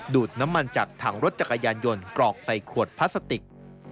ดูดน้ำมันจากถังรถจักรยานยนต์กรอกใส่ขวดพลาสติก